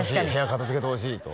片付けてほしいと